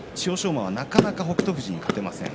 馬はなかなか北勝富士に勝てません。